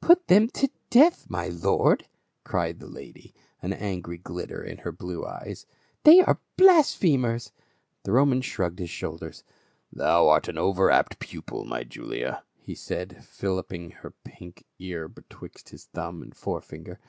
"Put them to death, my lord !" cried the lady, an angry glitter in her blue eyes, " they are blasphemers !" The Roman shrugged his shoulders, "Thou art an ov^er apt pupil, my Julia," he said filliping her pink ear betwixt his thumb and forefinger.